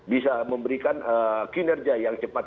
bisa memberikan kinerja yang cepat